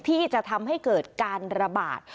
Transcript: ที่จะทำให้เกิดการระบาด